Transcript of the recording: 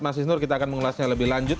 mas isnur kita akan mengulasnya lebih lanjut